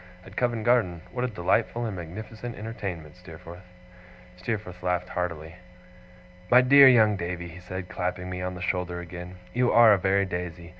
'At Covent Garden. What a delightful and magnificent entertainment, Steerforth!' Steerforth laughed heartily. 'My dear young Davy,' he said, clapping me on the shoulder again, 'you are a very Daisy.